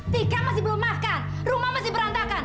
tika masih belum makan rumah masih berantakan